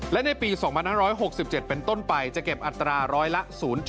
และในปี๒๕๖๗เป็นต้นไปจะเก็บอัตราร้อยละ๐๗